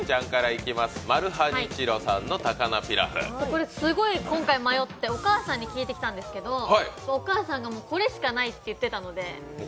これすごい今回迷って、お母さんに聞いてきたんですけど、お母さんが、これしかないって言ってたので。